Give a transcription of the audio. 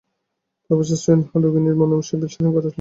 Professor সুইন হার্ন রোগিণীর মনোবিশ্লেষণ করলেন।